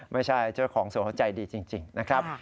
เจ้าของสวนเขาใจดีจริงนะครับ